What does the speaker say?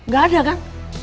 gak ada kan